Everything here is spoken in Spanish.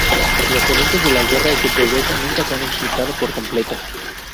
Los eventos de la guerra y su progreso nunca se han explicado por completo.